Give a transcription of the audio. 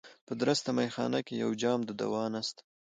په درسته مېخانه کي یو جام د دوا نسته